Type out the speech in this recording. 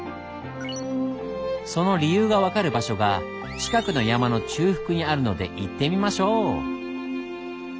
その理由が分かる場所が近くの山の中腹にあるので行ってみましょう。